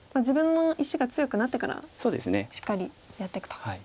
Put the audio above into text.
自分の石が強くなってからしっかりやっていくと。